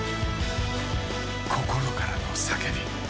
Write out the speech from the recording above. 心からの叫び。